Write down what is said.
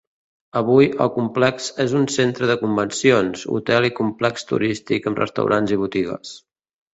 Avui, el complex és un centre de convencions, hotel i complex turístic amb restaurants i botigues.